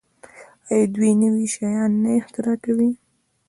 آیا دوی نوي شیان نه اختراع کوي؟